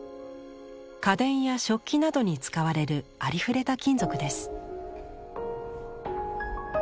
家電や食器などに使われるありふれた金属です。